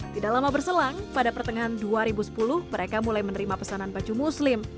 tidak lama berselang pada pertengahan dua ribu sepuluh mereka mulai menerima pesanan baju muslim